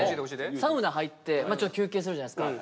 サウナ入ってちょっと休憩するじゃないっすか。